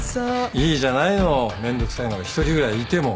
いいじゃないのめんどくさいのが１人ぐらいいても。